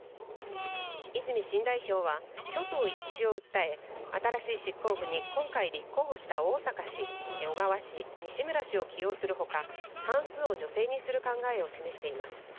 泉新代表は、挙党一致を訴え、新しい執行部に今回立候補した逢坂氏、小川氏、西村氏を起用するほか、半数を女性にする考えを示しています。